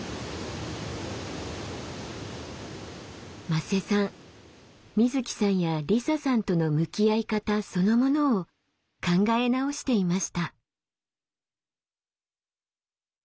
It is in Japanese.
馬瀬さんみずきさんやりささんとの向き合い方そのものを考え直していました。